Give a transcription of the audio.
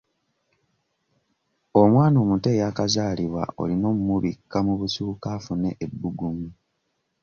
Omwana omuto eyakazaalibwa olina omubikka mu busuuka afune ebbugumu.